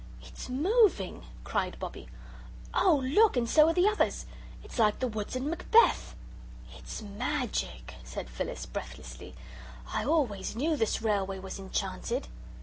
"It's moving!" cried Bobbie. "Oh, look! and so are the others. It's like the woods in Macbeth." "It's magic," said Phyllis, breathlessly. "I always knew this railway was enchanted."